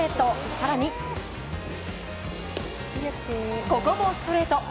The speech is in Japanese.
更に、ここもストレート。